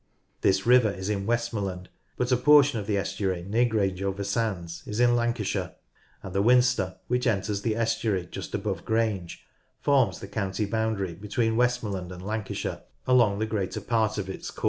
This river is in Westmorland, but a portion of the estuary near Grange over Sands is in Lancashire, and the Winster, which enters the estuary just above Grange, forms the county boundary between Westmor land and Lancashire along the greater part of its course.